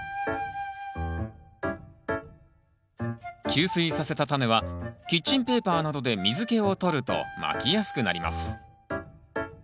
吸水させたタネはキッチンペーパーなどで水けを取るとまきやすくなります。